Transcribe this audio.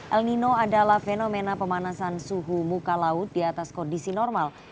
el nino adalah fenomena pemanasan suhu muka laut di atas kondisi normal